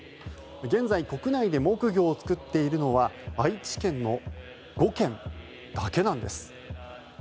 現在、国内で木魚を作っているのは愛知県の５軒だけなんです。